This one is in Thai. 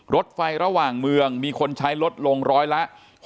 รถไฟระหว่างเมืองมีคนใช้ลดลงร้อยละ๖๐